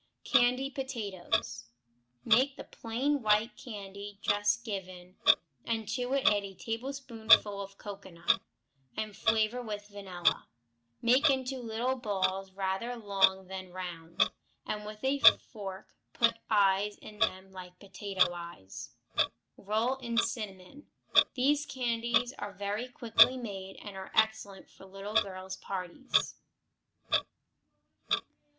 Candy Potatoes Make the plain white candy just given, and to it add a tablespoonful of cocoanut, and flavor with vanilla. Make into little balls, rather long then round, and with a fork put eyes in them like potato eyes. Roll in cinnamon. These candies are very quickly made, and are excellent for little girls' parties.